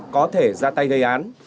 có thể ra tay gây án